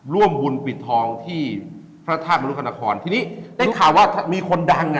ร่วมบุญปิดทองที่พระธาตุมรุกษนครทีนี้ได้ข่าวว่ามีคนดังอ่ะ